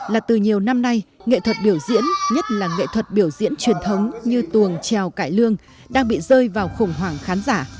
là từ nhiều năm nay nghệ thuật biểu diễn nhất là nghệ thuật biểu diễn truyền thống như tuồng trèo cải lương đang bị rơi vào khủng hoảng khán giả